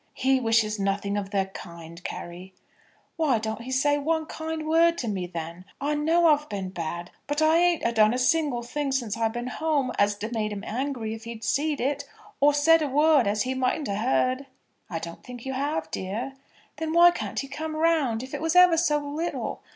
"He wishes nothing of the kind, Carry." "Why don't he say one kind word to me, then? I know I've been bad. But I ain't a done a single thing since I've been home as 'd a' made him angry if he seed it, or said a word as he mightn't a' heard." "I don't think you have, dear." "Then why can't he come round, if it was ever so little?